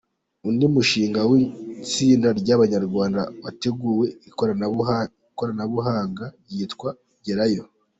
Undi mushinga ni uw’itsinda ry’abanyarwanda wateguye ikoranabuhanga ryitwa ‘Gerayo’.